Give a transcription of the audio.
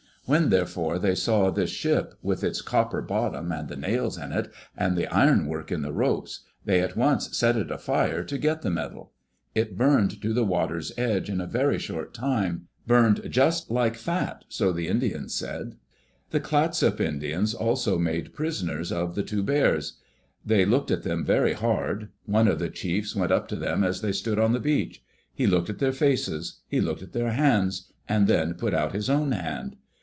When, therefore, they saw this ship, with its copper bottom and the nails in it, and the ironwork in the ropes, they at once set it afire to get the metal. It burned to the water^s edge in a very short time — burned just like fat, so die Indians said. The Clatsop Indians also made prisoners of the two "bears.*' They looked at them very hard. One of the chiefs went up to them as they stood on the beach. He looked at their faces. He looked at their hands, and then put out his own hand.